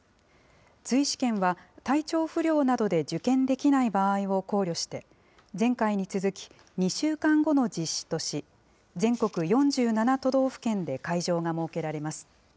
追試験は体調不良などで受験できない場合を考慮して、前回に続き、２週間後の実施とし、全国４７都道府県で会場が設けられます。